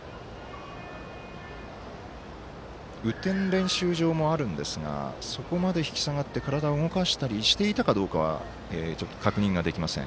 雨天練習場もあるんですがそこまで引き下がって体を動かしたりしていたかどうかは確認ができません。